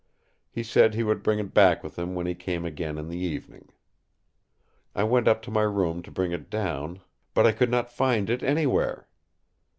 He said he would bring it back with him when he came again in the evening. I went up to my room to bring it down; but I could not find it anywhere.